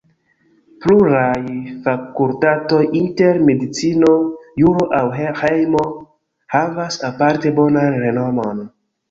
Pluraj fakultatoj, inter medicino, juro aŭ ĥemio, havas aparte bonan renomon.